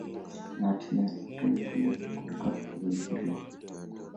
Na hatimaye likapata uhuru wake kutoka kwa waingereza